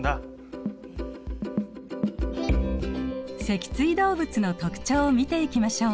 脊椎動物の特徴を見ていきましょう。